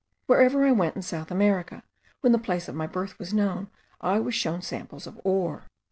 Wherever I went in South America, when the place of my birth was known, I was shown samples of ore.